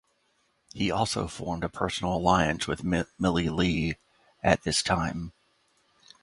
He also formed a personal alliance with Millie Lee at this time.